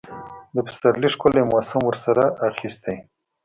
د پسرلي ښکلي موسم ورسره اخیستی.